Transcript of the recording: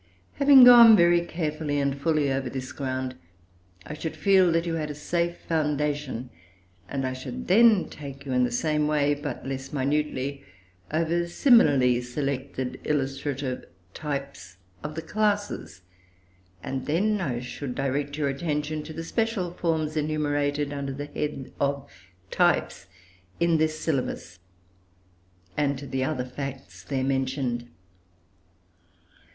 Having gone very carefully and fully over this ground, I should feel that you had a safe foundation, and I should then take you in the same way, but less minutely, over similarly selected illustrative types of the classes; and then I should direct your attention to the special forms enumerated under the head of types, in this syllabus, and to the other facts there mentioned.